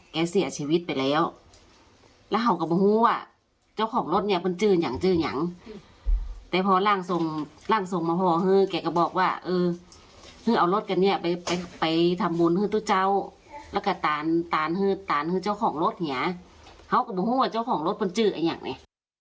เขาก็บังหัวว่าเจ้าของรถบนจืกอันอย่างนี้